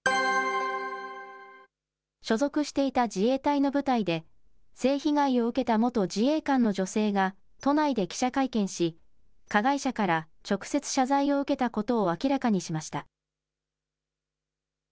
所属していた自衛隊の部隊で性被害を受けた元自衛官の女性が都内で記者会見し、加害者から直接謝罪を受けたことを明らかにしました。